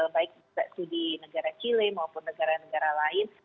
baik studi negara chile maupun negara negara lain